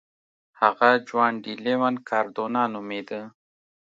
هغه جوان ډي لیون کاردونا نومېده.